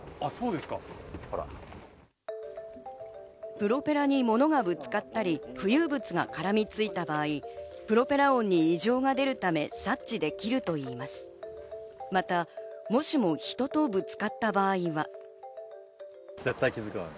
プロペラに物がぶつかったり、浮遊物が絡みついた場合、プロペラ音に異常が出るため、察知できるといいます。